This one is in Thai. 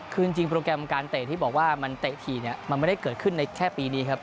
คือจริงโปรแกรมการเตะที่บอกว่ามันเตะถี่เนี่ยมันไม่ได้เกิดขึ้นในแค่ปีนี้ครับ